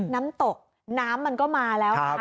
น้ำตกน้ำมันก็มาแล้วนะคะ